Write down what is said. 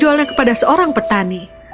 but kamu tidak menyebabkan kesalahan itu